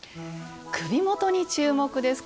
首元に注目です。